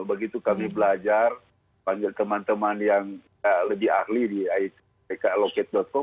begitu kami belajar panggil teman teman yang lebih ahli di itkloket com